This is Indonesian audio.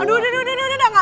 aduh udah udah udah udah